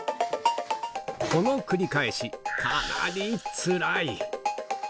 この繰り返し、かなりつらい。